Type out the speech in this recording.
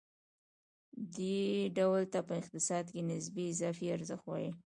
دې ډول ته په اقتصاد کې نسبي اضافي ارزښت وايي